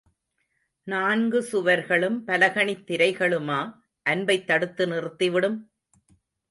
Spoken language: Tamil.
நான்கு சுவர்களும் பலகணித் திரைகளுமா அன்பைத் தடுத்து நிறுத்திவிடும்?